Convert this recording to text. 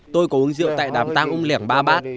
tôi có uống rượu tại đám tang ung lẻng ba bát